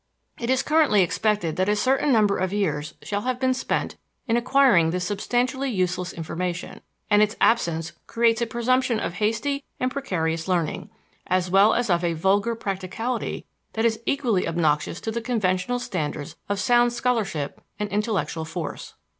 It is currently expected that a certain number of years shall have been spent in acquiring this substantially useless information, and its absence creates a presumption of hasty and precarious learning, as well as of a vulgar practicality that is equally obnoxious to the conventional standards of sound scholarship and intellectual force.